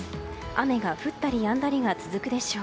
雨が降ったりやんだりが続くでしょう。